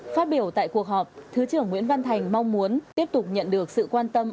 phát biểu tại cuộc họp thứ trưởng nguyễn văn thành mong muốn tiếp tục nhận được sự quan tâm